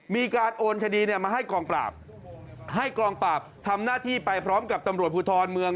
มีการโอนคดีมาให้กองปราบทำหน้าที่ไปพร้อมกับตำรวจภูทรเมือง